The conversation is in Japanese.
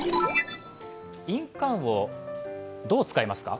印鑑をどう使いますか？